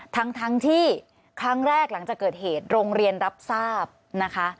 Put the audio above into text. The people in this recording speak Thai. ทั้งที่ครั้งแรกหลังจากเกิดเหตุโรงเรียนรับทราบนะคะ